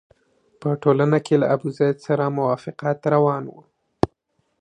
په ټولنه کې له ابوزید سره موافقت روان وو.